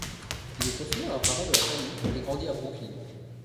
Il est confié à un parent de la famille et grandit à Brooklyn.